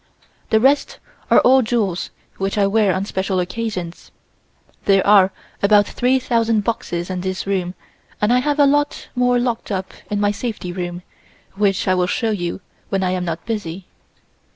The rest are all jewels which I wear on special occasions. There are about three thousand boxes in this room and I have a lot more locked up in my safety room, which I will show you when I am not busy."